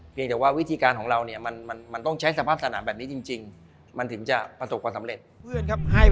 แต่ว่าวิธีการของเราเนี่ยมันต้องใช้สภาพสนามแบบนี้จริงมันถึงจะประสบความสำเร็จ